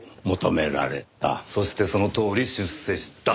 そしてそのとおり出世した。